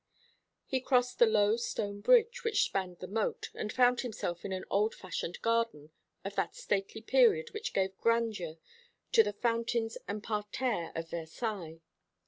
He crossed the low stone bridge which spanned the moat, and found himself in an old fashioned garden of that stately period which gave grandeur to the fountains and parterres of Versailles.